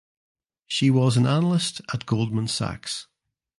She was an analyst at Goldman Sachs.